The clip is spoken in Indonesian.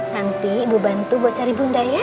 nanti ibu bantu buat cari bunda ya